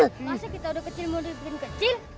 masih kita udah kecil kecil